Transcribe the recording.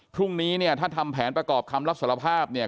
พรุ่งนี้เนี่ยถ้าทำแผนประกอบคำรับสารภาพเนี่ย